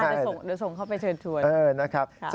เดี๋ยวส่งเข้าไปเชิญชวน